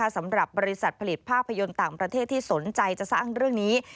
สำหรับบริษัทผลิตภาพยนตร์ต่างประเทศที่สนใจจะสร้างเรื่องนี้